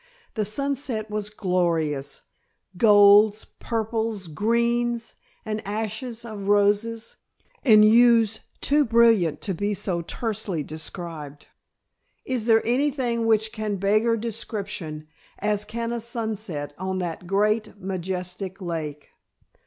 The sunset was glorious; golds, purples, greens and ashes of roses, in hues too brilliant to be so tersely described. Is there anything which can beggar description as can a sunset on that great, majestic lake!